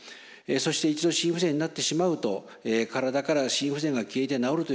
そして一度心不全になってしまうと体から心不全が消えて治るということはありません。